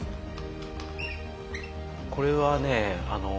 これはね